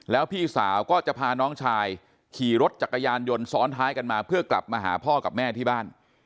แล้วพี่สาวก็จะพาน้องชายขี่รถจักรยานยนต์ซ้อนท้ายกันมาเพื่อกลับมาหาพ่อกับแม่ที่บ้าน